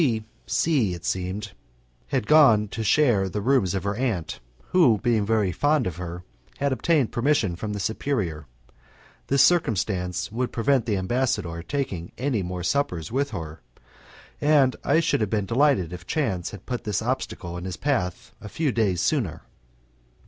C C , it seemed, had gone to share the rooms of her aunt, who, being very fond of her, had obtained permission from the superior. This circumstance would prevent the ambassador taking any more suppers with her, and I should have been delighted if chance had put this obstacle in his path a few days sooner.